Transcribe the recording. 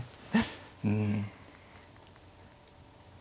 うん。